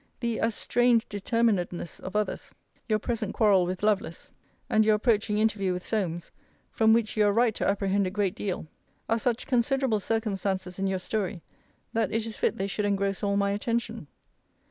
] the as strange determinedness of others; your present quarrel with Lovelace; and your approaching interview with Solmes, from which you are right to apprehend a great deal; are such considerable circumstances in your story, that it is fit they should engross all my attention.